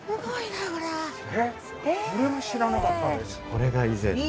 これが以前の。